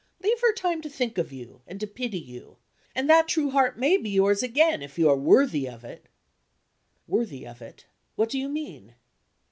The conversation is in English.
Leave her time to think of you, and to pity you and that true heart may be yours again, if you are worthy of it." "Worthy of it? What do you mean?"